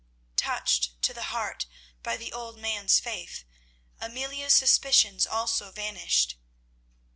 '" Touched to the heart by the old man's faith, Amelia's suspicions also vanished.